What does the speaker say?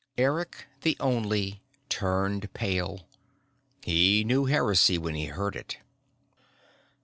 Eric the Only turned pale. He knew heresy when he heard it.